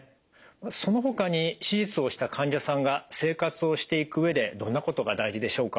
そのほかに手術をした患者さんが生活をしていく上でどんなことが大事でしょうか？